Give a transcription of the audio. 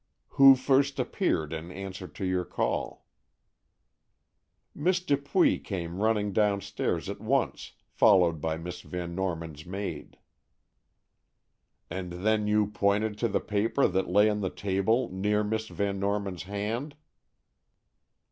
"Who first appeared in answer to your call?" "Miss Dupuy came running downstairs at once, followed by Miss Van Norman's maid." "And then you pointed to the paper that lay on the table near Miss Van Norman's hand."